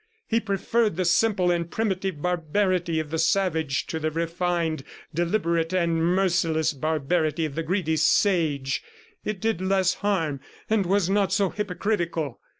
He preferred the simple and primitive barbarity of the savage to the refined, deliberate and merciless barbarity of the greedy sage; it did less harm and was not so hypocritical.